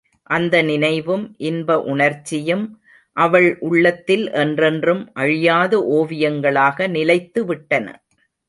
அந்த நினைவும் இன்ப உணர்ச்சியும் அவள் உள்ளத்தில் என்றென்றும் அழியாத ஓவியங்களாக நிலைத்துவிட்டன.